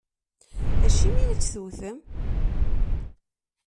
Acimi i tt-tewwtem?